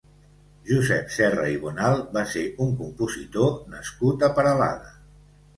Josep Serra i Bonal va ser un compositor nascut a Peralada.